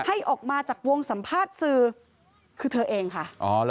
ให้ออกมาจากวงสัมภาษณ์สื่อคือเธอเองค่ะ